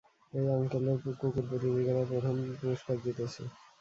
এই আংকেলের কুকুর প্রতিযোগিতায় প্রথম পুরস্কার জিতেছে।